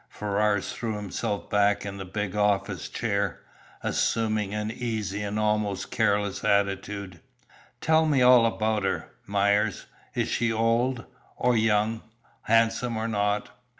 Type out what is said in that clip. Ferrars threw himself back in the big office chair, assuming an easy and almost careless attitude. "Tell me all about her, Myers. Is she old, or young? Handsome or not?"